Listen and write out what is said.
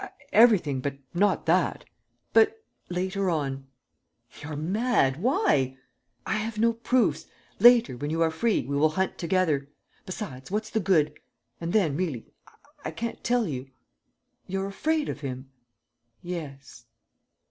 "Everything, but not that." "But ..." "Later on." "You're mad! Why?" "I have no proofs. Later, when you are free, we will hunt together. Besides, what's the good? And then, really, I can't tell you." "You're afraid of him?" "Yes."